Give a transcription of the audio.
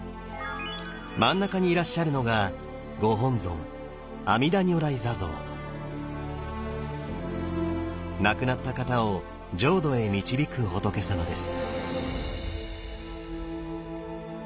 真ん中にいらっしゃるのがご本尊亡くなった方を浄土へ導く仏さまです。